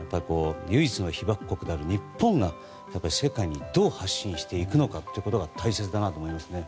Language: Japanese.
唯一の被爆国である日本が世界にどう発信していくのかというのが大切だなと思いますね。